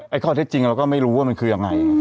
ข้อเท็จจริงเราก็ไม่รู้ว่ามันคือยังไง